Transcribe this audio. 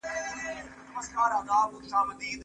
ماته د نوي تعلیمي کال د پیل نېټه ووایه.